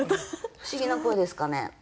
不思議な声ですかね？